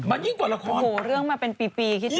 มันยิ่งกว่าละครโอ้โหเรื่องมาเป็นปีคิด